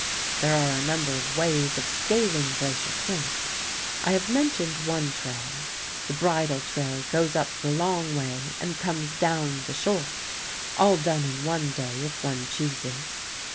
There are a number of ways of scaling Glacier Point. I have mentioned one trail. The bridle trail goes up the long way and comes down the short all done in one day if one chooses.